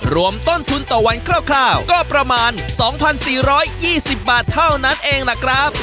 รวมต้นทุนต่อวันคร่าวก็ประมาณ๒๔๒๐บาทเท่านั้นเองล่ะครับ